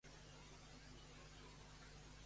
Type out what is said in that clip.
Com va reaccionar Kumarbi davant això?